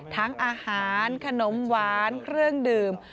ทั้งอาหารขนมหวานเครื่องดื่ม